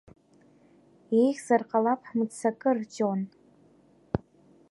Еиӷьзар ҟалап ҳмыццакыр, Џьон.